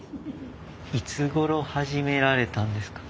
いつごろ始められたんですか？